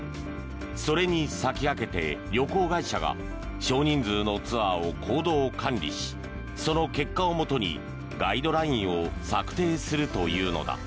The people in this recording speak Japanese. それに先駆けて旅行会社が少人数のツアーを行動管理しその結果をもとにガイドラインを策定するというのだ。